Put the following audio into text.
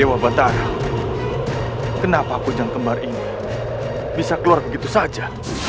apakah kucang kembar ini bisa keluar begitu saja